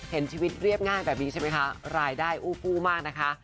เห็นชีวิตเรียบง่ายแบบนี้ใช่ไหมคะรายได้อู้กู้มากนะคะ